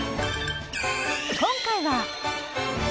今回は。